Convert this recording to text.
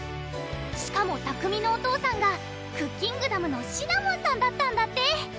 しかも拓海のお父さんがクッキングダムのシナモンさんだったんだって！